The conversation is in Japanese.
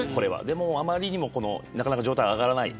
でも、あまりにもなかなか状態が上がらない。